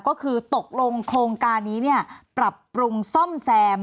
ก็คือตกลงโครงการนี้เนี่ยปรับปรุงซ่อมแซม